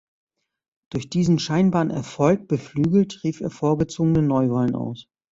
Durch diesen scheinbaren Erfolg beflügelt, rief er vorgezogene Neuwahlen aus.